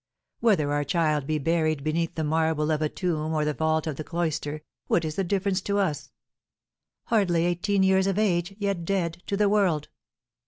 Whether our child be buried beneath the marble of the tomb or the vault of the cloister, what is the difference to us? Hardly eighteen years of age, yet dead to the world!